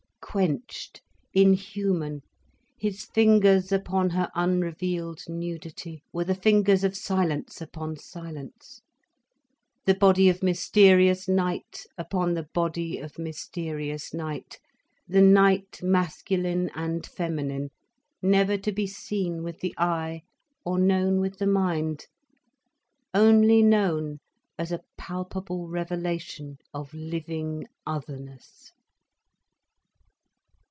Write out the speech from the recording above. Quenched, inhuman, his fingers upon her unrevealed nudity were the fingers of silence upon silence, the body of mysterious night upon the body of mysterious night, the night masculine and feminine, never to be seen with the eye, or known with the mind, only known as a palpable revelation of living otherness.